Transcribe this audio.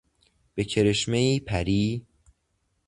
به کرشمهای پری...